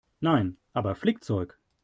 Nein, aber Flickzeug.